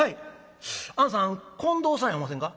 「あんさん近藤さんやおませんか？」。